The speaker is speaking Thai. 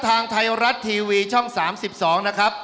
ทางไทยรัฐทีวีช่อง๓๒นะครับ